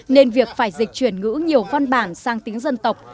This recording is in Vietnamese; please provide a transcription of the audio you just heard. nên việc phải dịch chuyển ngữ nhiều văn bản sang tiếng dân tộc